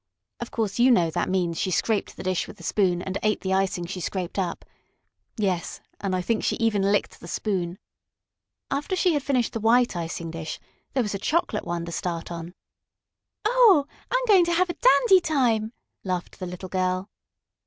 Of course you know that means she scraped the dish with the spoon and ate the icing she scraped up. Yes, and I think she even licked the spoon. After she had finished the white icing dish there was a chocolate one to start on. "Oh, I'm going to have a dandy time!" laughed the little girl.